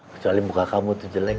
kecuali muka kamu tuh jelek